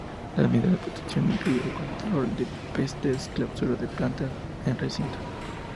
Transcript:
Las medidas de protección incluye control de pestes y clausura de plantas en recintos.